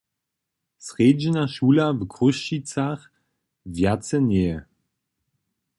Srjedźna šula w Chrósćicach wjace njeje.